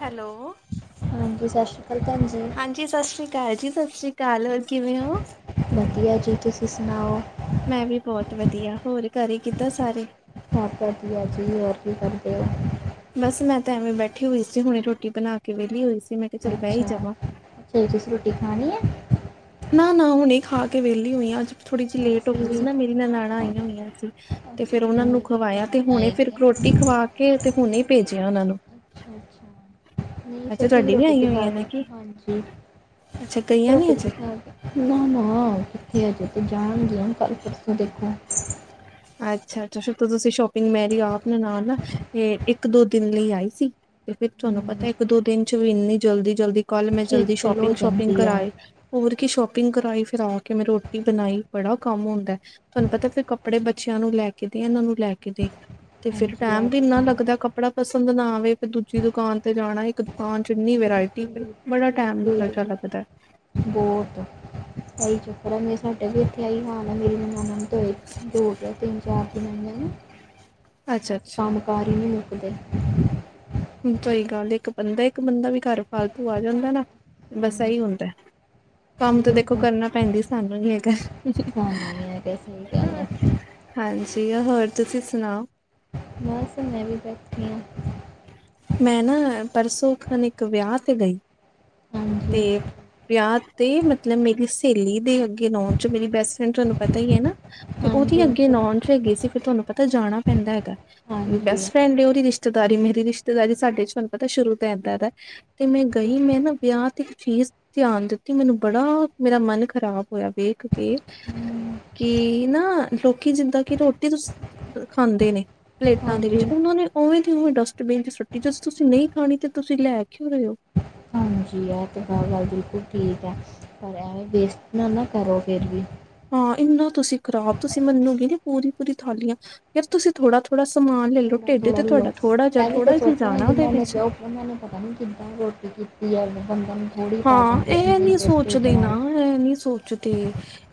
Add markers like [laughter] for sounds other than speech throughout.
Hello. ਹਾਂਜੀ, ਸਤਿ ਸ੍ਰੀ ਅਕਾਲ ਭੈਣ ਜੀ। ਹਾਂਜੀ ਸਤਿ ਸ਼੍ਰੀ ਅਕਾਲ ਜੀ ਸਤਿ ਸ਼੍ਰੀ ਅਕਾਲ ਹੋਰ ਕਿਵੇਂ ਹੋ। ਵਧੀਆ ਜੀ, ਤੁਸੀਂ ਸੁਣਾਓ। ਮੈਂ ਵੀ ਬਹੁਤ ਵਧੀਆ ਹੋਰ ਘਰ ਹੀ ਕਿੱਦਾਂ ਸਾਰੇ। ਹ ਵਧੀਆ ਜੀ ਹੋਰ ਕੀ ਕਰਦੇ ਹੋ। ਬਸ ਮੈਂ ਤਾਂ ਐਵੇਂ ਬੈਠੀ ਹੋਈ ਸੀ ਹੁਣੇ ਰੋਟੀ ਬਣਾ ਕੇ ਵਿਹਲੀ ਹੋਈ ਸੀ ਮੈਂ। ਕਿਹਾ ਚੱਲ ਬਹਿ ਹੀ ਅੱਛਾ, ਜਾਵਾਂ ਜੀ ਤੁਸੀਂ ਰੋਟੀ ਖਾਣੀ ਹੈ। ਨਾ-ਨਾ ਹੁਨੇ ਖਾ ਕੇ ਵਿਹਲੀ ਹੋਈ ਆ ਅੱਜ ਥੋੜੀ ਜਿਹੀ ਅੱਛਾ ਲੇਟ ਹੋ ਅਸੀਂ ਗਈ ਵੀ ਸੀ ਨਾ ਮੇਰੀ ਨੈਣਾਣਾ ਹਾਂ ਆਈਆਂ ਹੋਈਆਂ ਸੀ। ਤੇ ਅੱਛਾ ਫੇਰ ਅੱਛਾ ਉਹਨਾਂ ਨੂੰ ਮੇਰੀ ਵੀ ਖਵਾਇਆ ਤੇ ਨਨਾਣ ਆਈ ਦੀ ਫਿਰ ਹੈ ਰੋਟੀ ਖਵਾ ਕੇ ਤੇ ਹੁਣੇ ਭੇਜਿਆ ਉਹਨਾਂ ਨੂੰ। ਅੱਛਾ-ਅੱਛਾ ਨਹੀਂ ਅੱਛਾ ਸੁਤੇ ਨੀ, ਤੁਹਾਡੀ ਵੀ ਰੋਟੀ-ਰੋਟੀ ਆਈਆਂ ਖਾ ਹੋਈਆਂ ਨੇ ਕੇ ਕੀ ਹਾਂਜੀ। ਅੱਛਾ ਗਈਆਂ ਨੀ ਰੋਟੀ ਅਜੇ ਰੁਟੀ ਖਾ। ਨਾ-ਨਾ ਕਿੱਥੇ ਆਜੇ ਤੇ ਜਾਣਗੀਆਂ ਕੱਲ ਪਰਸੋਂ ਦੇਖੋ। ਅੱਛਾ-ਅੱਛਾ ਸ਼ੁਰੁਤੋ ਤੁਸੀਂ ਸ਼ੋਪਿੰਗ ਮੇਰੀ ਆਪ ਨੈਣਾਣਾ ਨਾਲ ਇਹ ਇੱਕ ਦੋ ਦਿਨ ਲਈ ਆਈ ਸੀ। ਤੇ ਫੇਰ ਤੁਹਾਨੂੰ ਹਮ, ਪਤਾ ਇੱਕ ਦੋ ਦਿਨ ਚ ਵੀ ਇੰਨੀ ਜਲਦੀ-ਜਲਦੀ। ਕੱਲ ਮੈਂ, ਜਲਦੀ ਖੇਚਲ ਹੋ ਸ਼ੋਪਿੰਗ ਸ਼ੋਪਿੰਗ ਜਾਂਦੀ ਕਰਾ ਆ ਆਈ। ਹੋਰ ਕੀ ਸ਼ੋਪਿੰਗ ਕਰਾਈ, ਫਿਰ ਆ ਕੇ ਮੈਂ ਰੋਟੀ ਬਣਾਈ, ਬੜਾ ਕੰਮ ਹੁੰਦਾ ਐ ਤੁਹਾਨੂੰ ਪਤਾ ਫਿਰ ਕੱਪੜੇ। ਬੱਚਿਆਂ ਨੂੰ ਲੈਕੇ ਦੇਤੇ, ਇਹਨਾਂ ਨੂੰ ਲੈਕੇ ਦੇਤੇ ਫਿਰ ਹਾਂਜੀ ਟਾਈਮ ਇਹ ਵੀ ਤੇ ਇੰਨਾ ਹੈ ਲੱਗਦਾ ਕੱਪਰਿਆ। ਕੱਪੜਾ ਪਸੰਦ ਨਾ ਆਵੇ, ਫੇਰ ਦੂਜੀ ਦੁਕਾਨ ਤੇ ਜਾਣਾ ਇੱਕ ਦੁਕਾਨ ਚ। ਕਿੰਨੀ ਵੈਰਾਇਟੀ, ਬਿਲਕੁਲ ਬਿਲਕੁਲ ਫੇਰ ਬੜਾ ਟਾਈਮ ਬਿਲਕੁਲ ਲੱਗ ਜੀ ਜਾਂਦਾ ਪਤਾ। ਬਹੁਤ। ਆਈ ਚੱਕਰ ਐ, ਮੈਂ ਸਾਡੇ ਵੀ ਇੱਥੇ ਆਹੀ ਹਾਲ ਆ ਮੇਰੀ ਨਾਨਾਣਾ ਨੂੰ ਹੋ ਗਿਆ ਤਿੰਨ ਚਾਰ ਦਿਨਾਂ ਨੂੰ। ਬਸ ਅੱਛਾ-ਅੱਛਾ ਕੰਮ ਕਾਰ ਹੀ ਨਹੀਂ ਮੁੱਕਦੇ। ਸਹੀ ਗੱਲ ਏ, ਇੱਕ ਬੰਦਾ ਇੱਕ ਬੰਦਾ ਵੀ ਘਰ ਫਾਲਤੂ ਆ ਜਾਂਦਾ ਨਾ ਬਸ ਇਹੀ ਹੁੰਦਾ। ਕੰਮ ਤਾਂ ਇਹੀ ਦੇਖੋ ਹੁੰਦਾ ਕਰਨਾ ਪੈਂਦਾ ਸਾਨੂੰ ਹੀ ਹੈਗਾ। ਸਾਨੂੰ ਹੀ ਆ ਕਿ ਸਹੀ ਗੱਲ ਹੈ ਹਾਂਜੀ, ਹੋਰ ਤੁਸੀਂ ਸੁਣਾਓ। ਬਸ, ਮੈਂ ਵੀ ਬੈਠੀ ਆ। ਮੈਂ ਨਾ ਪਰਸੋਂ ਖਨੇ ਇੱਕ ਵਿਆਹ ਤੇ ਗਈ। ਹਾਂਜੀ ਤੇ ਵਿਆਹ ਤੇ ਮਤਲਬ ਮੇਰੀ ਸਹੇਲੀ ਦੇ ਅੱਗੇ ਨੋਨ। ਜੋ ਮੇਰੀ ਬੈਸਟ ਫਰੈਂਡ ਤੁਹਾਨੂੰ ਪਤਾ ਹੀ ਐ ਨਾ ਤੇ ਉਹਦੀ ਹਾਂਜੀ ਅੱਗੇ ਹਾਂਜੀ ਨੌ ਹੈਗੀ ਸੀ, ਫਿਰ ਤੁਹਾਨੂੰ ਪਤਾ ਜਾਣਾ ਪੈਂਦਾ ਹੈਗਾ, ਹਾਂਜੀ ਬੈਸਟ ਫਰੈਂਡ ਉਹਦੀ ਰਿਸ਼ ਦਾਰੀ ਮੇਰੀ ਰਿਸ਼ਤੇਦਾਰੀ ਸਾਡੇ ਚ ਮੈਨੂੰ ਪਤਾ ਸ਼ੁਰੂ ਤੋਂ ਏਦਾਂ ਦਾ ਮੈਂ ਹਾਂਜੀ ਗਈ ਮੈਂ ਨਾ ਵਿਆਹ ਤੇ ਇੱਕ ਚੀਜ਼ ਧਿਆਨ ਦਿੱਤੀ ਮੈਨੂੰ ਬੜਾ ਮੇਰਾ ਮਨ ਖ਼ਰਾਬ ਹੋਇਆ ਵੇਖ ਕੀ ਹਮ, ਕੀ ਨਾ ਲੋਕ ਕਿ ਜਿੱਦਾਂ ਕਿ ਰੋਟੀ ਤੁਸੀਂ ਖਾਂਦੇ ਨੇ ਪਲੇਟਾਂ ਦੇ ਵਿੱਚ, ਹਾਂਜੀ ਉਹਨਾਂ ਨੇ ਉਵੇਂ ਓਵੇਂ ਡਸਟਬਿਨ ਚ ਸੁੱਟੀ, ਜਦ ਤੁਸੀਂ ਨਹੀਂ ਖਾਣੀ ਤੇ ਤੁਸੀਂ ਲੈ ਕਿਉਂ ਰਹੇ ਹੋ। ਹਾਂਜੀ, ਇਹ ਤੇ ਗੱਲ ਬਿਲਕੁਲ ਠੀਕ ਐ, ਪਰ ਐਵੇਂ ਵੇਸਟ ਨ ਨਾ ਕਰੋ ਫਿਰ ਵੀ ਹਾਂ, ਇੰਨਾ ਤੁਸੀਂ ਖ਼ਰਾਬ ਤੁਸੀਂ ਮੰਨੋਗੇ ਨੀ ਪੂਰੀ ਪੂਰੀ ਥਾਲੀਆਂ ਯਾਰ ਤੁਸੀਂ ਥੋੜਾ ਥੋੜਾ ਸਮਾਨ ਲੈ ਲੋ ਥੋੜਾ ਢਿੱਡ ਥੋੜਾ ਤੇ ਲਓ ਤੁਹਾਡਾ ਥੋੜਾ ਜਿਹਾ ਇਹ ਵੀ ਤਾਂ ਥੋੜਾ ਜਿਹਾ ਸੋਚੋ ਨਾ ਜਾਣਾ ਉਹਦੇ ਜਿਨ੍ਹਾਂ ਨੇ ਵਿੱਚ। ਜੋ ਉਹਨਾਂ ਨੇ ਪਤਾ ਨਹੀਂ ਕਿੱਦਾਂ ਰੋਟੀ ਕੀਤੀ ਐ ਉਹਨੇ, ਬੰਦਾ ਨੂੰ ਥੋੜ੍ਹੀ ਪੈ ਜਾਂਦੀ ਐ ਇੰਨੀ ਵੇਸਟੇਜ ਨਾਲ। ਓ ਨੀ ਸੋਚਦੇ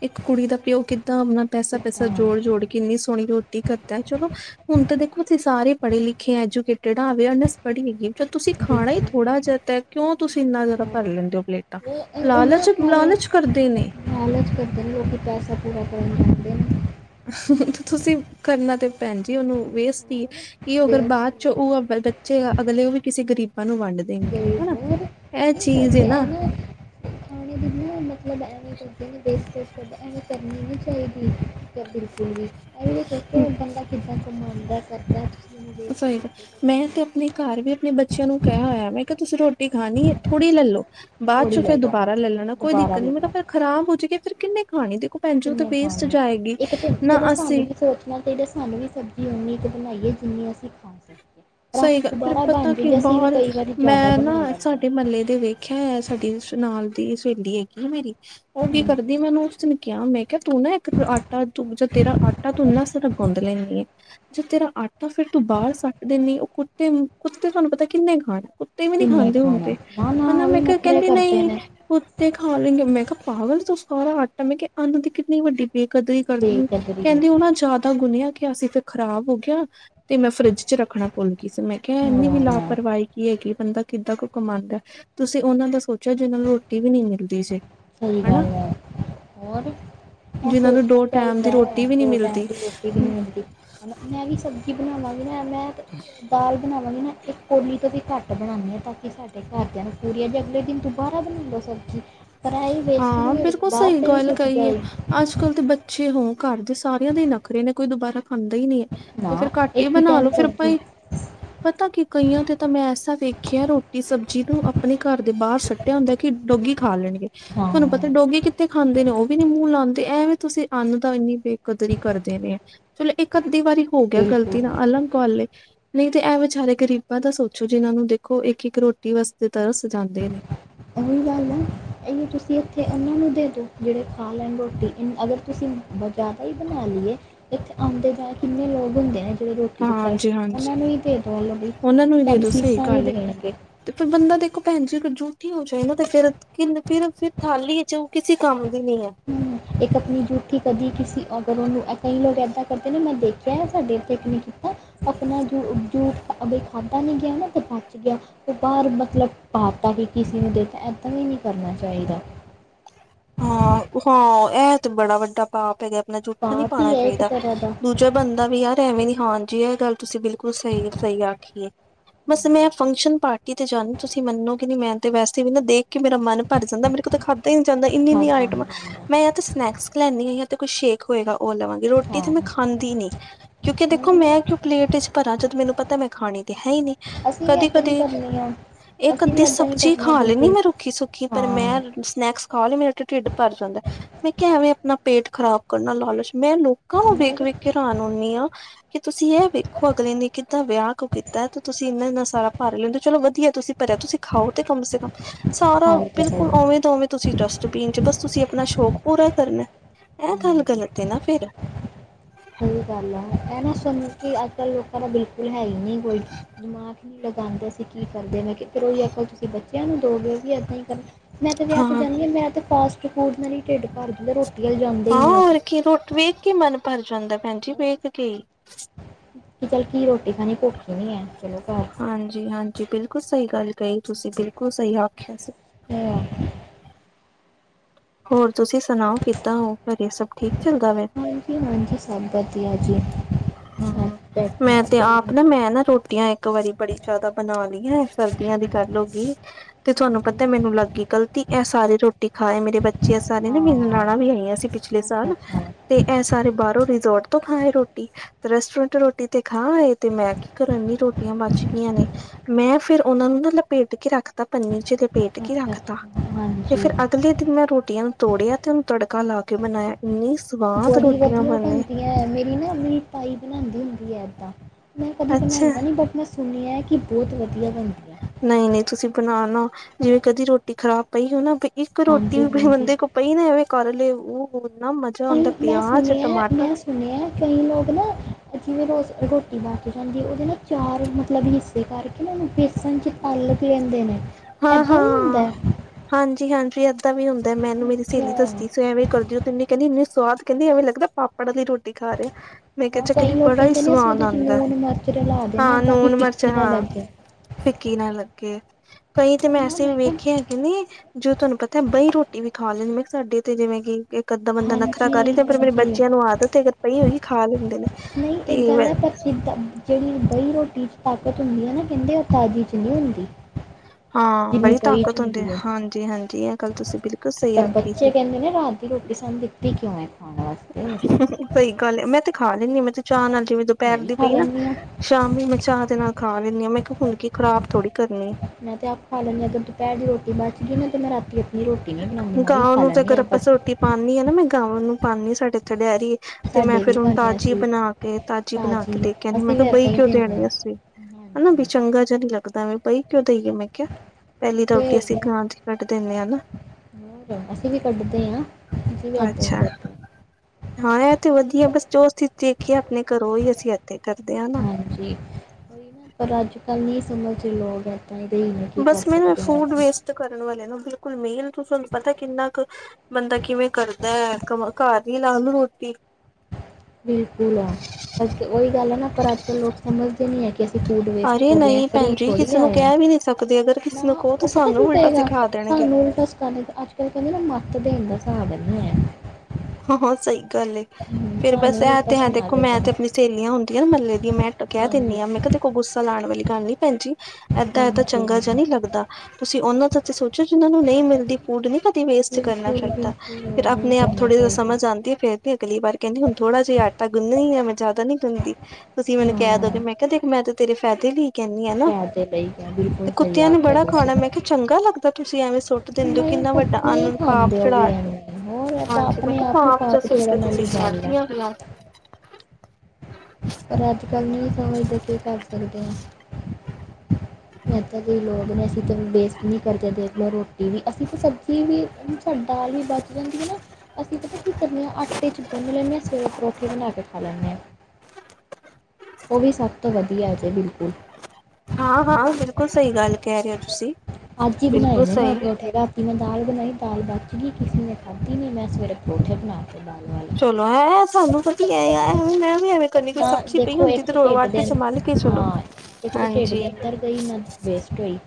ਇੱਕ ਕੁੜੀ ਦਾ ਪਿਓ ਕਿੱਦਾਂ ਆਪਣਾ ਪੈਸਾ ਪੈਸਾ ਕਿੱਦਾਂ ਜੋੜ ਜੋੜ ਕੇ ਇੰਨੀ ਸੋਹਣੀ ਰੋਟੀ ਕਰਦਾ ਚਲੋ ਹੁਣ ਤਾਂ ਦੇਖੋ ਅਸੀਂ ਸਾਰੇ ਪੜ੍ਹੇ ਲਿਖੇ ਐਜੂਕੇਟਡ ਆ, ਅਵੇਅਰਨੈਸ ਪੜ੍ਹੀ ਹੈਗੀ, ਤੁਸੀਂ ਬਿਲਕੁਲ ਖਾਣਾ ਹੀ ਥੋੜ੍ਹਾ ਜਿਹਾ ਤ ਕਿਉਂ ਤੁਸੀਂ ਇੰਨਾ ਜ਼ਿਆਦਾ ਥੋੜ੍ਹਾ ਭਰ ਜਿਹਾ ਲੈਂਦੇ ਹੋ ਪਲੇਟਾਂ, ਉਹ ਇਹ ਉਹਨਾਂ ਲਾਲਚ ਖੈਰ ਲਾਲਚ ਕਰਦੇ ਨੇ। ਲਾਲਚ ਕਰਦੇ ਨੇ ਲੋਕੀ ਪੈਸਾ ਪੂਰਾ ਕਰਨ ਜਾਂਦੇ ਨੇ। ਤੇ ਤੁਸੀਂ ਕਰਨਾ ਤੇ ਭੈਣ ਜੀ ਉਹਨੂੰ ਵੇਸਟ ਹੀ ਹੋਰ ਕਿ ਅਗਰ ਵੇਸਟ ਹੀ ਬਾਅਦ ਹੈ ਉਹ ਬੱਚੇ ਆ ਅਗਲੇ ਉਹ ਵੀ ਕਿਸੇ ਗ਼ਰੀਬਾਂ ਨੂੰ ਵੰਡ ਦੇਣਗੇ। ਗਏ ਹਨਾ ਹੋਰ ਇਹ ਨਹੀਂ ਚੀਜ਼ ਚੱਲਦੇ ਐ ਨਾ, ਖਾਣੇ ਦੀ ਨਾ ਮਤਲਬ ਐਵੇਂ ਕਰਦੇ ਨੇ ਵੇਸਟੇਜ ਐਵੇਂ ਕਰਨੀ ਨੀ ਚਾਹੀਦੀ ਬਿਲਕੁਲ ਵੀ ਇਹਵੇ ਸੋਚਿਆ ਬੰਦਾ ਕਿੱਦਾਂ ਕਮਾਂਦਾ ਕਰਦਾ। ਤੁਸੀਂ ਉਹਨੂੰ ਵੇਸਟ ਸਹੀ ਗੱਲ ਐ, ਕਰਦੇ ਪਏ ਮੈਂ ਤੇ ਖਾਣਾ ਆਪਣੇ ਘਰ ਵੀ ਆਪਣੇ ਬੱਚਿਆਂ ਨੂੰ ਕਿਹਾ ਹੋਇਆ ਮੈਂ ਕਿਹਾ ਤੁਸੀਂ ਰੋਟੀ ਖਾਣੀ ਥੋੜ੍ਹੀ ਲੈਲੋ। ਬਾਅਦ ਥੋੜ੍ਹੀ ਚ ਲੈ ਫਿਰ ਲਓ ਦੁਬਾਰਾ ਲੈ ਲੈਣਾ ਕੋਈ ਦੁਬਾਰਾ ਦਿੱਕਤ ਨੀ, ਲੈ ਮਤਲਬ ਲਓ ਫੇਰ ਖਰਾਬ ਹੋ ਜਾਵੇਗੀ, ਫੇਰ ਕਿੰਨੇ ਖਾਣੀ ਦੇਖੋ। ਭੈਣ ਚੋਦ ਕਿੰਨੇ ਵੇਸਟ ਖਾਣੀ ਜਾਏਗੀ, ਨਾ ਅੱਸੀ ਅਬਲ ਤੇ ਸਾਨੂੰ ਵੀ ਸਬਜ਼ੀ ਓਨੀ ਕੁ ਬਣਾਈਏ ਜਿੰਨੀ ਅਸੀਂ ਸਹੀ ਰਾਤ ਗੱਲ ਫਿਰ ਦੁਬਾਰਾ ਪਤਾ ਬਣ ਜੇਗੀ, ਅਸੀਂ ਵੀ ਕਈ ਵਾਰੀ ਜ਼ਿਆਦਾ ਬਣਾ ਲੈਣੇ। ਮੁਹੱਲੇ ਨੇ ਵੇਖਿਆ ਹੋਇਆ ਸਾਡੀ ਨਾਲ ਦੀ ਸਹੇਲੀ ਹੈਗੀ ਆ ਮੇਰੀ, ਉਹ ਕੀ ਹਾਂਜੀ ਕਰਦੀ ਮੈਨੂੰ ਉਸ ਦਿਨ ਕਿਹਾ ਮੈਂ ਕਿਹਾ ਤੂੰ ਨਾ ਇੱਕ ਆਟਾ ਤੂੰ ਜਾਂ ਤੇਰਾ ਆਟਾ ਆਟਾ ਤੂੰ ਇੰਨਾ ਸਾਰਾ ਗੁੰਦ ਲੈਂਦੀ ਏ, ਜੋ ਤੇਰਾ ਆਟਾ ਫੇਰ ਤੂੰ ਬਾਹਰ ਸੱਟ ਦਿਨੀਂ, ਉਹ ਕੁੱਤੇ ਕੁੱਤੇ ਤੁਹਾਨੂੰ ਪਤਾ ਕਿੰਨੇ ਕ ਖਾਣ। ਕੁੱਤੇ ਵੀ ਨਹੀਂ ਕਿੰਨੇ ਖਾਂਦੇ ਖਾਣਾ ਹੁੰਦੇ ਨਾ ਨਾ ਹਨਾ ਉਹ ਵੀ ਮੈਂ ਕਿਹਾ ਨਖਰੇ ਕਹਿੰਦੀ ਕਰਦੇ ਨਹੀਂ ਨੇ ਕੁੱਤੇ ਖਾ ਲੈਣਗੇ ਮੈਂ ਕਿਹਾ ਪਾਗਲ ਤੂੰ ਸਾਰਾ ਆਟਾ ਮੈਂ ਕਿਹਾ ਅੰਨ ਦੀ ਕਿੰਨੀ ਵੱਡੀ ਬੇਕਦਰੀ ਹੀ ਕਰਦੀ, ਬੇਕਦਰੀ ਹੈ ਕਹਿੰਦੀ ਉਹ ਨਾ ਜ਼ਿਆਦਾ ਗੁੰਨਿਆ ਗਿਆ ਸੀ ਫਿਰ ਖਰਾਬ ਹੋ ਗਿਆ ਤੇ ਮੈਂ ਫਰਿੱਜ ਵਿੱਚ ਰੱਖਣਾ ਭੁੱਲਗੀ ਸਾਂ, ਮੈਂ ਕਿਹਾ ਇੰਨੀ ਵੀ ਹਾਂ ਲਾਪਰਵਾਹੀ ਕੀ ਹੈਗੀ ਬੰਦਾ ਕਿੱਦਾਂ ਕੋਈ ਕਮਾਉਂਦਾ ਤੁਸੀਂ ਉਹਨਾਂ ਦਾ ਸੋਚਿਆ ਜਿਹਨਾਂ ਨੂੰ ਰੋਟੀ ਵੀ ਨਹੀਂ ਮਿਲਦੀ ਸੀ। ਸਹੀ ਗੱਲ ਹਨਾ ਐ। ਹੋਰ ਐ ਜਿਹਨਾਂ ਨੂੰ ਸੋਚਣਾ ਦੋ ਟਾਈਮ ਦੀ ਚਾਹੀਦਾ ਰੋਟੀ ਵੀ ਨਹੀਂ ਦੋ ਟਾਈਮ ਮਿਲਦੀ ਦੀ ਰੋਟੀ ਵੀ ਨਹੀਂ ਮਿਲਦੀ। ਮੈਂ ਵੀ ਸਬਜ਼ੀ ਬਣਾ ਲਾਗੀ ਨਾ ਮੈਂ ਹ [unintelligible] ਦਾਲ ਬਣਾਵਾਂਗੀ ਨਾ ਇੱਕ ਕੋੌਲੀ ਤੋਂ ਵੀ ਘੱਟ ਦਾਲ ਬਣਾਦੀ ਹਾਂ ਤਾਂ ਇਕ ਕੋਲੀ ਤੋ ਵੀ ਘਟ ਬਣਾਨੀ ਆ ਤਾ ਕਿ ਸਾਡੇ ਘਰਦਿਆਂ ਨੂੰ ਪੂਰੀਆਂ ਜੇ ਅਗਲੇ ਦਿਨ ਦੁਬਾਰਾ ਬਣਾਉਂ ਲ ਸਬਜ਼ੀ, ਪਰ ਇਹ ਵੇਸਟ ਨਹੀਂ ਹਾਂ ਹੋਏਗੀ ਬਿਲਕੁਲ ਬਾਹਰ ਸਹੀ ਤੇ ਵੀ ਗੱਲ ਸੁੱਟ ਕਹੀ ਆ। ਜਾਏਗੀ ਅੱਜ ਕੱਲ੍ਹ ਦੇ ਬੱਚੇ ਹੋ ਘਰ ਦੇ ਸਾਰਿਆਂ ਦੇ ਹੀ ਨਖਰੇ ਨੇ ਕੋਈ ਦੁਬਾਰਾ ਖਾਂਦਾ ਹੀ ਨਹੀਂ ਹੈ। ਤੇ ਨਾ ਫੇਿਰ ਘੱਟ ਹੀ ਇੱਕ ਬਣਾ ਟਾਈਮ ਲੋ ਫਿਰ ਆਪਾ ਸਬਜ਼ੀ ਈ ਪਤਾ ਕੀ ਕਈਆਂ ਤੇ ਤਾਂ ਮੈਂ ਐਸਾ ਵੇਖਿਆ ਰੋਟੀ ਸਬਜ਼ੀ ਨੂੰ ਆਪਣੇ ਘਰ ਦੇ ਬਾਹਰ ਸੱਟਿਆ ਹੁੰਦਾ। ਕਿ ਡੋਗੀ ਖਾ ਲੈਣਗੇ। ਹਾਂ, ਤੁਹਾਨੂੰ ਪਤਾ ਡੋਗੇ ਕਿੱਥੇ ਖਾਂਦੇ ਨੇ ਉਹ ਵੀ ਨੀ ਮੂੰਹ ਲਾਉਂਦੇ ਐ ਵੀ ਤੁਸੀਂ ਅੰਨ ਦਾ ਇੰਨੀ ਬੇਕਦਰੀ ਕਰਦੇ ਨੇ ਚਲੋ ਇੱਕ ਅੱਧੀ ਵਾਰੀ ਹੋ ਗਿਆ ਗ਼ਲਤੀ ਬਿਲਕੁਲ ਨਾਲ ਅਲੱਗ ਗੱਲ ਐ। ਨਹੀਂ ਤੇ ਇਹ ਵਿਚਾਰੇ ਗ਼ਰੀਬਾਂ ਦਾ ਸੋਚੋ ਜਿਹਨਾਂ ਨੂੰ ਦੇਖੋ ਇੱਕ ਇੱਕ ਰੋਟੀ ਵਾਸਦੇ ਤਰਸ ਜਾਦੇ ਨੇ। ਇਹੀ ਗੱਲ ਐ। ਇਹੀ ਤੁਸੀਂ ਇੱਥੇ, ਇਹਨਾਂ ਨੂੰ ਦੇਦੋ, ਜਿਹੜੇ ਖਾ ਲੈਣ ਰ੍ਹੋਟੀ ਇਨ ਅਗਰ, ਤੁਸੀਂ ਵਧ ਜਿਆਦਾ ਹੀ ਬਣਾਲੀ ਏ, ਇੱਥੇ ਆਉਂਦੇ ਜਾ ਕਿੰਨੇ ਲੋਕ ਹੁੰਦੇ ਨੇ। ਜਿਹੜੇ ਰ੍ਹੋਟੀ ਨੁੰ ਤਰਸਦੇ, ਹਾਂਜੀ ਹਾਂਜੀ। ਉਹਨਾਂ ਨੂੰ ਵੀ ਦੇਦੋ ਆਲੋ ਵੀ ਉਹਨਾਂ ਨੂੰ ਖਾਲੋ। ਹੀ ਦੇ ਤੁਹਾਨ ਦੋ ਸਹੀ ਅਸੀਸਾਂ ਵੀ ਗੱਲ ਏ। ਦੇਣਗੇ। ਤੇ ਫਿਰ ਬੰਦਾ ਦੇਖੋ ਭੈਣ ਜੀ, ਇੱਕ ਜੂਠੀ ਹੋ ਜਾਏ ਨਾ, ਤੇ ਫਿਰ ਕਿੰਨ, ਫਿਰ, ਫਿਰ ਥਾਲੀ ਈਚੋ ਓ ਕਿਸੇ ਕੰਮ ਦੀ ਨੀ ਹੈ। ਹੂੰ। ਇੱਕ ਅਪਣੀ ਜੂਠੀ ਕਦੀ ਕਿਸੀ ਅਗਰ ਉਹਨੂੰ ਕਈ ਲੋਕ ਐਦਾਂ ਈ ਕਰਦੇ ਨੇ ''ਮੈਂ ਦੇਖਿਆ, ਸਾਡੇ ਉੱਥੇ ਇੱਕ ਨੇ ਕੀਤਾ ਅਪਣਾ ਜੂ, ਜੂਠ ਅਗੇ ਖਾਧਾ ਨੀ ਗਿਆ ਨਾ, ਤੇ ਬਚਗਿਆ ਉਹ ਬਾਹਰ ਮਤਲਬ, ਪਾ-ਪਾ ਵੀ ਕਿਸੇ ਨੂੰ ਦੇਤਾ ਐਦਾਂ ਵੀ ਨਹੀਂ ਕਰਨਾ ਚਾਹੀਦਾ। ਹਾਂ, ਹਾਂ ਐਹ ਤੇ ਬੜਾ ਵੱਡਾ ਪਾਪ ਹੈਗਾ ਆਪਣਾ ਜੂਠਾ ਨਹੀਂ ਪਾਪ ਹੀ ਪਾਣਾ ਹੈ ਇੱਕ ਚਾਹੀਦਾ। ਤਰ੍ਹਾਂ ਦਾ ਦੂਜ ਜੇ ਬੰਦਾ ਵੀ ਯਾਰ ਐਵੇਂ ਨੀ ਹਾਂਜੀ। ਇਹ ਗੱਲ ਤੁਸੀਂ ਬਿਲ ਬਿਲਕੁਲ ਸਹੀ, ਸਹੀ ਆਖੀਏ। ਬਸ ਮੈਂ ਹਮ, ਫੰਕਸ਼ਨ ਪਾਰਟੀ ਕਿਤੇ ਜਾਨੀ, ਤੁਸੀਂ ਮੰਨੋਗੇ ਨਹੀਂ ''ਮੈਂ ਤੇ ਵੈਸੇ ਵੀ ਨਾ ਦੇਖਕੇ ਮੇਰਾ ਮਨ ਭਰ ਜਾਂਦਾ, ਮੇਰੇ ਕੋ ਤਾਂ ਖਾਧਾ ਹੀ ਜਾਂਦਾ ਇੰਨੀ-ਇਨੀਆਂ ਖਾਧਾ ਨਹੀਂ ਆਈਟਮਾਂ, ਜਾਂਦਾ ਮੈਂ ਯਾ ਤੇ ਸਨੈਕ੍ਸ ਲੈਂਨੀ ਹਾ, ਯਾ ਤੇ ਕੁੱਛ ਸ਼ੇਕ ਹੋਇਗਾ। ਉਹ ਲਵਾਂਗੀ। ਰ੍ਹੋਟੀ ਹਾਂ ਤੇ ਮੈਂ ਖਾਂਦੀ ਨੀ, ਕਿਉਂਕਿ ਦੇਖੋ, ਨਹੀਂ ਨਾ ਮੈਂ ਕਿਂਉਂ ਪਲੇਟ'ਚ ਭਰਾਂ ਜਦੋਂ ਮੈਨੂੰ ਪਤਾ ਮੈਂ ਖਾਣੀ ਤੇ ਪਤਾ ਹੈਹੀ ਨਹੀਂ, ਤਾਂ ਅਸੀਂ ਵੀ ਏਦਾਂ ਹੀ ਕਦੀ-ਕਦੀ ਕਰਨੇ ਆ ਇਹ ਅਸੀਂ ਵੀ ਅੱਧੀ ਏਦਾਂ ਹੀ ਸਬਜ਼ੀ ਕਰਨੇ ਆ ਖਾ ਲੈਨੀ ਬਿਲਕੁਲ ਮੈਂ ਰੁੱਖੀ-ਸੁੱਖੀ, ਪਰ ਹਾਂ ਮੈਂ ਸਨੈਕ੍ਸ ਖਾਹਲੇ ਮੇਰਾ ਤਾ ਢਿੱਡ ਭਰ ਜਾਂਦਾ। ''ਮੈਂ ਕਿਹਾ ਐਂਵੇਂ ਅਪਨਾ ਪੇਟ ਖ਼ਰਾਬ ਕਰਨਾ ਲਾਲਚ ''ਮੈਂ ਲੋਕੁਾਂ ਨੂੰ ਹੋਰ ਵੇਖ-ਵੇਖਕੇ ਰਰਾਨ ਹੁੰਨੀ ਆਂ ਕਿ ਤੁਸੀਂ ਐਹ ਵੇਖੋ ਅਗਲੇ ਨੇ ਕਿੱਦਾਂ ਵਿਆਹ ਕੋ ਕਿੱਤਾ, ਤੇ ਤੁਸੀਂ ਇੰਨਾ-ਇੰਨਾ ਸਾਰਾ ਭਰ ਲੈਂਦੇ ਹੋ ਚਲੋ ਵਧੀਆ ਤੁਸੀ ਭਰਿਆ, ਤੁਸੀ ਖਾਓ ਤੇ ਕਮ ਸੇ ਕਮ। ਸਾਰਾ, ਹਾਂ ਇਹ ਤਾਂ ਸਹੀ ਬਿਲਕੁਲ ਓਂਵੇਂ ਦਾ ਓਵੇਂ ਤੁਸੀਂ ਡਸਟਬੀਨ'ਚ, ਬਸ ਤੁਸੀ ਅਪਣਾ ਸ਼ੌਕ ਪੂਰਾ ਕਰਨਾ। ਐ ਗੱਲ ਹੂੰ ਗ਼ਲਤ ਏ ਨਾ ਫੇਰ। ਸਹੀ ਗੱਲ ਹੈ। ਐ ਨਾ ਸਾੰਨੁ ਕਿ, ਅੱਜ-ਕੱਲ ਲੋਕਾਂ ਦਾ ਬਿਲਕੁਲ ਹੈਹੀ ਨਹੀਂ ਕੋਈ। ਦਿਮਾਖ ਨਹੀਂ ਲਗਾਂਦੇ ਅਸੀ ਕੀ ਕਰਦੇ ਨੇ, ਕਿ ਫਿਰ ਉਹੀ ਅਕਲ ਤੁਸੀਂ ਬੱਚਿਆਂ ਨੂੰ ਦੋਗੇ, ਓ ਵੀ ਏਦਾਂ ਹੀ ਕਰਨਾ ਮੈਂ ਤੇ ਵਿਆਹ ਹਾਂ ਤੇ ਜਾਂਨੀ ਆਂ, ''ਮੈਂ ਤੇ ਫਾਸਟ-ਫੂਡ ਨਾਲ ਹੀ ਢਿੱਡ ਭਰ ਦਿੰਦਾ, ਰੋਟੀ ਵੱਲ ਜਾਂਦੇ ਹੀ ਨਹੀਂ ਅਸੀ। ਵੇਖਕੇ ਮਨ ਭਰ ਜਾਂਦਾ ਭੈਣ ਜੀ, ਹੋਰ ਵੇਖਕੇ। ਕਿ ਚੱਲ ਕੀ ਰੋਟੀ ਖਾਣੀ, ਭੁਖ ਹੀ ਨੀ ਹੈ। ਚਲੋ ਘਰ ਹਾਂਜੀ-ਹਾਂਜੀ, ਬਿਲਕੁਲ ਸਹੀ ਗੱਲ ਕਹੀ ਤੁਸੀਂ ਬਿਲਕੁਲ ਸਹੀ ਆਖਿਆ ਸੀ। ਹਾ ਆ ਹੋਰ ਤੁਸੀ ਸੁਣਾਓ ਕਿੱਦਾਂ ਓ? ਘਰੇ ਸਭ ਠੀਕ ਚੱਲਦਾ ਪਿਆ? ਹਾਂਜੀ ਹਾਂਜੀ ਸਭ ਵਧੀਆ ਜੀ ਮੈਂ ਹਾਂ, ਬੈਠੀ ਮੈਂ ਹਾਂ ਤੇ ਆਪ ਵਿਹਲੀ ਨਾ, ਮੈਂ ਨਾ ਰ੍ਹੋ ਰ੍ਹੋਟੀਆਂ ਇੱਕ ਵਾਰੀ ਬੜੀ ਜਿਆਦਾ ਬਣਾ ਲਈਆਂ ਸਰਦੀਆਂ ਦੀ ਗੱਲ ਹੋਗੀ। ਤੇ ਤੁਹਾਨੂੰ ਹਾਂਜੀ ਪਤਾ ਮੈਨੂੰ ਲੱਗਗੀ ਗਲਤੀ, ਐ ਸਾਰੇ‌ ਰ੍ਹੋਟੀ ਖਾ ਆਏ, ਮੇਰੇ ਬੱ ਚਿਆ ਸਾਰਿਆ ਨਾ, ਮੇਰੀਆਂ ਹਾਂ ਨਨਾਣਾ ਵੀ ਆਈਆਂ ਸੀ ਪਿਛਲੇ ਅੱਛਾ ਸਾਲ ਅੱਛਾ ਤੇ, ਐ ਸਾਰੇ ਬਾਹਰੋ ਰਿਜੋਰਟ ਤੋਂ ਖਾ ਆਏ ਰੋਟੀ ਤੇ ਰੈਸਟੋਰੈਂਟ ਰੋਟੀ ਤੇ ਖਾ ਆਏ, ਤੇ ਮੈਂ ਕੀ ਕਰਨਨੀ ਰੋਟੀਆਂ ਬਚਗੀਆਂ ਨੇ। ਮੈਂ ਫਿਰ ਉਹਨਾਂ ਨੂੰ ਨਾ ਲਪੇਟਕੇ ਰੱਖ ਪੰਨੀ'ਚ ਲਪੇਟਕੇ ਅੱਛਾ ਰੱਖਤਾ, ਅੱਛਾ ਤੇ ਹਾਂਜੀ ਫਿਰ ਅਗਲੇ ਦਿਨ ਮੈਂ ਰ੍ਹੋ ਰ੍ਹੋਟੀਆਂ ਨੂੰ ਤੋੜਿਆ ਤੇ ਉਹਨੂੰ ਤੜਕਾ ਲਾਕੇ ਬਣਾਇਆ। ਇੰਨੀ ਸਵਾਦ ਰੋਟੀਆਂ ਬਣੇ ਐ ਮੇਰੀ ਨਾ, ਮੇਰੀ ਤਾਈ ਬਣਾਂਦੀ ਹੁੰਦੀ ਏ, ਏਦਾਂ ''ਮੈਂ ਕਦੀ ਅੱਛਾ ਬਣਾਈਆ ਨੀ ਬਟ ਮੈਂ ਸੁਨਿਆ, ਕਿ ਬਹੁਤ ਵਧੀਆ ਬਨਦੀ। ਨਹੀਂ-ਨਹੀਂ ਤੁਸੀਂ ਬਣਾਣਾ, ਜਿਵੇਂ ਕਦੀ ਰੋਟੀ ਖਰਾਬ ਪਈ ਉਹ ਨਾ ਇੱਕ ਰ੍ਹੋਟੀ ਹਾਂਜੀ ਵੀ ਹਾਂਜੀ ਬੰਦੇ ਕੋਲ ਪਈ ਨਾ, ਐਂਵੇਂ ਕਰਲੇ ਉਹ ਨਾ ਮਜ਼ ਮੈਂ ਸੁਨਿਆ 'ਮੈਂ' ਸੁਨਿਆ ਕਈ ਲੋਕ ਨਾ, ਜਿਵੇਂ ਰੋਜ਼ ਰੋਟੀ ਬੱਚ ਜਾਂਦੀ ਏ, ਉਹਦੇ ਨਾ ਚਾਰ ਮਤਲਬ ਹਿੱਸੇ ਕਰ ਉਹਨਾ ਨੂੰ, ਬੇਸਣ'ਚ ਤਲ ਬੀ ਲੈਂਦੇ ਨੇ, ਐਦਾਂ ਵੀ ਹੁੰਦਾ? ਹਾਂਜੀ-ਹਾਂਜੀ, ਇਹਦਾਂ ਵੀ ਹੁੰਦਾ, ਮੈਨੂੰ ਮਰੀ ਸਹੇਲੀ ਅੱਛਾ ਦੱਸੀਦੀ ਸੀ, ਐਵੇਂ ਕਰਦੀ ਓ ਤੈਨੂੰ ਕਹਿੰਦੀ ਇੰਨੀ ਸਵਾਦ ਕਹਿੰਦੀ ਐਵੇਂ ਲੱਗਦਾ ਪਾ ਪੜ ਦੀ ਰੋਟੀ ਖਾ ਰਹੇ ਹਾਂ। ਮੈਂ ਕਿਹਾ ਹਾਂ ਚੱਕ ਕਈ ਲਈ ਲੋਕ ਬੜਾ ਹੀ ਕਹਿੰਦੇ ਨੇ ਅਸੀਂ ਸਵਾਦ ਉਹਦੇ 'ਚ ਆਉਂਦਾ, ਲੂਣ ਮਿਰਚ ਰਲਾ ਦਿੰਦੇ ਹਾਂ ਤਾਂ ਕਿ ਲੂਣ ਮਿਰਚ ਫਿੱਕੀ ਨਾ ਹਾਂ ਲੱਗੇ। ਫਿਕੀ ਨਾ ਲੱਗੇ, ਕਈ ਤੇ ਮੈਂ ਉਹੀ ਨਾ ਐਸੇ ਵੀ ਕਿਹਾ ਵੇਖੇ ਹੈਗੇ ਨੀ ਜੋ ਤੁਹਾਨੂੰ ਪਤਾ ਬਈ ਰੋਟੀ ਵੀ ਖਾ ਲੈਂਦੀ ਮੈਂ ਕਿਹਾ ਸਾਡੇ ਤੇ ਜਿਵੇਂ ਕਿ ਇੱਕ ਅੱਧਾਂ ਬੰਦਾ ਨਖਰਾ ਕਰੀਦਾ ਪਰ ਮੇਰੇ ਹਾਂਜੀ-ਹਾਂਜੀ ਬੱਚਿਆਂ ਨੂੰ ਆਦਤ ਗਰ ਪਈ ਹੋਈ ਖਾ ਲੈਂਦੇ ਨੇ ਨਹੀਂ ਇਹ ਤੇ ਗੱਲ ਹੈ ਪਰ ਕਿੱਦਾਂ ਜਿਹੜੀ ਬਹੀ ਰੋਟੀ 'ਚ ਤਾਕਤ ਹੁੰਦੀ ਹੈ ਨਾ ਕਹਿੰਦੇ ਹ ਤਾਜ਼ੀ 'ਚ ਨੀ ਹੁੰਦੀ, ਜਿੰਨੀ ਬਈ ਚ ਹੁੰਦੀ ਹੈ ਜੀ ਹਾਂਜੀ ਇਹ ਗਲ ਤੁਸੀਂ ਬਿਲਕੁਲ ਸਹੀ ਪਰ ਆਖੀ ਬੱਚੇ ਜੀ ਕਹਿੰਦੇ ਨੇ ਰਾਤ ਦੀ ਰੋਟੀ ਸਾਨੂੰ ਦਿੱਤੀ ਕਿਉਂ? ਖਾਣ ਵਾਸਤੇ। ਸਹੀ ਗੱਲ ਹੈ ਮੈਂ ਤੇ ਖਾ ਲੈਂਦੀ, ਮੈਂ ਤੇ ਚਾਹਅ ਨਾਲ ਜਿਵੇਂ ਮੈਂ ਦੁਪਹਿਰ ਵੀ ਦੀ ਖਾ ਪਈ ਨਾ ਲੈਂਦੀ ਹਾਂ ਸ਼ਾਮੀ ਮੈਂ ਚਾਹ ਦੇ ਨਾਲ ਖਾ ਲੈਂਦੀ ਹਾਂ ਮੈਂ ਕਿਹਾ ਹੁਣ ਕੇ ਖ਼ਰਾਬ ਥੋੜ੍ਹੀ ਕਰਨੀ ਮੈਂ ਤੇ ਆਪ ਖਾ ਲੈਂਣੀ ਹ, ਅਗਰ ਦੁਪਹਿਰ ਦੀ ਰੋਟੀ ਬਚਦੀ ਤਾਂ ਮੈਂ ਰਾਤੀ ਮ ਰੋਟੀ ਨਹੀਂ ਬਉਣੀ, ਮੈਂਹੀ ੳਹੀ ਖਾ ਲੈਂਦੀ ਹਾਂ ਆਪ ਪਾਉਦੀ ਆ ਨਾ ਮੈਂ ਗਾਵਾ ਨੂੰ ਪਾਉਂਦੀ ਸਾਡੇ ਇਥ ਡਹਿਰੀ ਤੇ ਮੈਂ ਸਾਡੇ ਵੀ ਫੇਿਰ ਉਹਨੂੰ ਖਾਂਦੇ ਹਾਂ ਤਾਜ਼ੀ ਅਸੀਂ ਬਣਾ ਕੇ ਤਾਜ਼ੀ ਬਣਾ ਕੇ ਦੇਕੇ ਆਨੀ ਮੈਂ ਅਸੀਂ ਕਿਹਾ ਵੀ ਬਈ ਇੱਦਾਂ ਹੀ ਕਿਉਂ ਦਿੰਦੇ ਹਾਂ। ਦੇਣੇ ਅਸੀਂ ਹਨਾ ਵੀ ਹਾਂਜੀ ਚੰਗਾ ਜਿਹਾ ਨੀ ਲੱਗਦਾ ਐਵੇ ਬਈ ਕਿਉਂ ਦਈਏ ਮੈਂ ਪਹਿਲੀ ਤੇ ਰੋਟੀ ਅਸੀਂ ਗਾਂ ਚ ਕੱਢ ਦਿੰਦੇ ਹਾਂ ਨਾ ਹੋ ਅਸੀਂ ਵੀ ਕੱਢਦੇ ਹਾਂ, ਅਸੀਂ ਵੀ ਏਦਾਂ ਹੀ ਅੱਛਾ- ਕਰਦੇ ਹਾਂ ਇਹ ਤੇ ਵਧੀਆ ਬਸ ਜੋ ਚੀਜ ਦੇਖੀ ਆਪਣੇ ਘਰੋਂ, ੳਹ ਹੀ ਅਸੀਂ ਇੱਥੇ ਕਰਦੇ ਹਾਂ ਨਾ ਹਾਂਜੀ ਉਹੀ ਨਾ, ਪਰ ਅੱਜ ਕੱਲ ਨੀ ਸਮਝ ਲੋਕ ਹੈ ਤਾਂ ਦੇ ਹੀ, ਕੀ ਕਰ ਬਸ ਮੈਨੂੰ ਸਕਦੇ ਹਾਂ ਫੂਡ ਅਸੀਂ- ਵੇਸਟ ਕਰਨ ਵਾਲੇ ਨੂੰ ਬਿਲਕੁਲ ਮੇਨ, ਤ ਤੁਹਾਨੂੰ ਪਤਾ ਕਿੰਨਾ ਕੁ ਬੰਦਾ ਕਿਵੇਂ ਕਰਦਾ, ਘਰ ਦੀ ਲਾ ਲੋ ਰੋਟੀ ਬਿਲਕੁਲ ਹਾਂ, ਪਰ ਉਹੀ ਗੱਲ ਹੈ ਨਾ ਪਰ ਅੱਜ ਕੱਲ੍ਹ ਲੋਕ ਸਮਝਦੇ ਨੀ ਆ ਅਸੀਂ ਫੂਡ ਵੇਸਟ ਅਰੇ ਕਰ ਰਹੇ ਹਾਂ ਨਹੀਂ ਭੈਣ ਫਰੀ ਜੀ ਥੋੜ੍ਹੀ ਕਿਸੇ ਨੂੰ ਆਇਆ, ਕਹਿ ਵੀ ਨਹੀਂ ਸਕਦੇ ਅਗਰ ਨਾ ਕਿਸੇ ਨੂੰ ਕਹੋ ਤਾਂ ਉਹ ਪਤਾ ਕੀ ਸਾਨੂੰ ਉਲਟਾ ਕਏਗਾ ਸਿਖਾ ਦੇਣਗੇ ਸਾਨੂੰ ੳਲਟਾ ਸੁਨਾ ਦੇਗਾ, ਅਜ ਕਲ ਕਹਿੰਦੇ ਨਾ ਮੱਤ ਦੇਣ ਦਾ ਹਿਸਾਬ ਨਹੀਂ ਹੈ ਹਾਂ ਹਾਂ, ਸਹੀ ਗੱਲ ਹਮ ਫੇਰ ਸਾਨੂੰ ਬਸ ਹੀ ਐ ਉਲਟਾ ਤੇ ਹਾਂ ਸੁਣਾ ਦੇਖੋ ਮੈਂ ਦਿੰਦੇ ਤੇ ਨੇ ਆਪਣੀ ਸਹੇੇਲੀਆਂ ਹੁੰਦੀਆਂ ਨਾ ਮਹੱਲੇ ਦੀਆਂ, ਮੈਂ ਕਹਿ ਦਿੰਦੀ ਹਾਂਜੀ ਹਾਂ ਮੈਂ ਕਿਹਾ ਕੋ ਗੁੱਸਾ ਲਾਉਣ ਵਾਲੀ ਗੱਲ ਨੀ ਭੈਣਜੀ, ਏਦਾਂ ਏਦਾਂ ਹਾਂਜੀ ਚੰਗਾ ਜਿਹਾ ਨਹੀਂੀ ਲੱਗਦਾ ਤੁਸੀਂ ਉਹਨਾਂ ਦਾ ਸੋਚੋ ਜਿਨਾਂ ਨੂੰ ਨਹੀਂ ਮਿਲਦੀ ਫੂਡ ਨ ਕਦੇ ਵੇਸਟ ਕਰਨਾ ਬਿਲਕੁਲ ਚਾਹੀਦਾ, ਬਿਲਕੁਲ ਫਿਰ ਉਹ ਨਹੀਂ ਆਪਣੇ ਆਪ ਕਰਨਾ ਥੋੜ੍ਹਾ ਜਿ ਚਾਹੀਦਾ ਸਮਝ ਜਾਂਦੀ ਫਿਰਦੀ ਅਗਲੀ ਵਾਰ ਕਹਿੰਦੀ ਹੁਣ ਥੋੜਾ ਜਿਹਾ ਆਟਾ ਗੁੰਨਣੀ ਹੀ ਮੈਂ ਜ਼ਦਾ ਨਹੀਂ ਗੁੰਣਦੀ ਤੁਸੀਂ ਮੈਨੂੰ ਕਹਿ ਹਾਂ ਦੋਗੇ, ਮੈਂ ਕਿਹਾ ਦੇਖੋ ਮੈਂ ਤੇ ਤੇਰੇ ਫਾਇਦੇ ਲਈ ਕਹਿੰਦੀ ਆ ਨਾ ਫਾਇਦੇ ਲਈ ਹੈ ਤੇ, ਬਿਲਕੁਲ ਸਹੀ ਕੁੱਤਿਆਂ ਨੇ ਆਖਿਆ ਬੜਾ ਤੁਸੀਂ ਖਾਉਣਾ ਮੈਂ ਕਿਹਾ ਚੰਗਾ ਲੱਗਦਾ ਤੁਸੀਂ ਐਵੇਂ ਸੋਟ ਦਿੰਦੇ, ਨਹੀਂ ਕਿੰਨਾ ਪ ਵੱਡਾ ਨਹੀਂ ਅੰਨ ਪਾਪ ਖਾਂਦੇ ਉਹ ਵੀ ਚੜਾ ਰਿ ਐਵੇਂ ਹੋਰ ਆਪਾਂ ਹਾਂਜੀ, ਮੈਂ ਆਪਣੇ ਆਪ ਕਿਹਾ ਨੂੰ ਆਪਸ 'ਚ ਪਾਪ ਚੜਨ ਵਾਲੀ ਗੱਲ ਹੈ ਪਰ ਅੱਜ ਕੱਲ੍ਹ ਨਹੀਂ ਸਮਝਦੇ, ਕੀ ਕਰ ਸਕਦੇ ਹਾਂ ਇਦਾ ਦੇ ਜੇ ਲੋਕ ਨੇ, ਅਸੀਂ ਤਾਂ ਵੇਸਟ ਵੀ ਨਹੀਂ ਕਰਦੇ ਦੇਖਲੋ ਰੋਟੀ ਵੀ ਅਸੀਂ ਤਾਂ ਸਬਜ਼ੀ ਵੀ ਦਾਲ ਵੀ ਬੱਚ ਜਾਂਦੀ ਹੈ ਨਾ ਅਸੀਂ ਪਤਾ ਕੀ ਕਰਨਦੇ ਹਾਂ ਆਟੇ ਚ ਗੁਨ ਲੈਂਦੇ ਹਾਂ ਸਵੇਰੇ ਪਰੌਠੇ ਬਣਾ ਕੇ ਖਾ ਲੈਂਦੇ ਹਾਂ- ਉਹ ਵੀ ਸਭ ਤੋਂ ਵਧੀਆ ਜੇ ਬਿਲਕੁਲ ਹਾਂ ਹਾਂ, ਬਿਲਕੁਲ ਸਹੀ ਗੱਲ ਕਹਿ ਰਹੇ ਹੋ ਤੁਸੀਂ- ਅੱਜ ਹੀ ਬਣਾਏ ਬਿਲਕੁਲ ਨੇ ਮੈਂ ਸਹੀ ਪਰੋਂਠੇ ਘਰ, ਅਤੇ ਮੈਂ ਦਾਾਲ ਬਣਾਈ ਦਾਾਲ ਬਾਚ ਗ, ਕਿਸੇ ਨੇ ਖਾਧੀ ਨਹੀਂ ਮੈਂ ਸਵੇਰੇ ਪਰੋਠੇਂ ਚਲੋ ਹੈਂ ਸਾਨੂੰ ਵਧੀਆ ਹੈਵੇਂ, ਮੈਂ ਵੀ ਐਵੇਂ ਕਰਨੀ ਕੋਈ ਨਾ ਸਬਜ਼ੀ ਪਈ ਦੇਖੋ ਇੱਕ ਹੁੰਦੀ ਤਾਂ ਢਿੱਡ ਆਟੇ ਦੇ ਚ ਮਲ ਕੇ ਹੀ, ਅੰਦਰ ਚਲੋ ਹਾਂਜੀ ਕਈ ਨਾ ਵੇਸਟ ਹੋਈ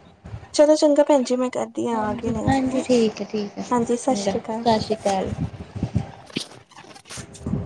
ਚਲੋ ਚੰਗਾ ਭੈਣ ਜੀ, ਮੈਂ ਕਰਦੀ ਆਗੇ ਹਾਂਜੀ ਹੈ ਹਾਂਜੀ ਠੀਕ ਹੈ ਠੀਕ ਹੈ ਹਾਂਜੀ, ਸਤਿ ਚੰਗਾ ਸ੍ਰੀ ਅਕਾਲ। ਸਤਿ ਸ਼੍ਰੀ ਅਕਾਲ [inaudible]